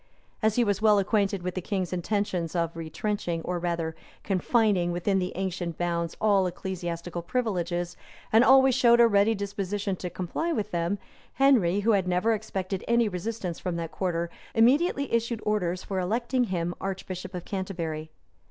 As he was well acquainted with the king's intentions of retrenching, or rather confining within the ancient bounds, all ecclesiastical privileges, and always showed a ready disposition to comply with them, Henry, who never expected any resistance from that quarter, immediately issued orders for electing him archbishop of Canterbury.